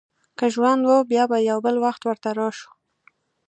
که ژوند و، بیا به یو بل وخت ورته راشو.